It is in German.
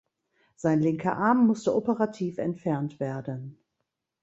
Sein linker Arm musste operativ entfernt werden.